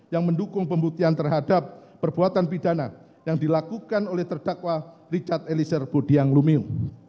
yang mendukung pembuktian terhadap perbuatan pidana yang dilakukan oleh terdakwa richard eliezer budiang lumiu